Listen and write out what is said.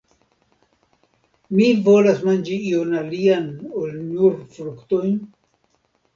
Mi volas manĝi ion alian ol nur fruktojn?